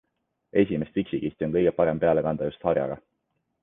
Esimest viksikihti on kõige parem peale kanda just harjaga.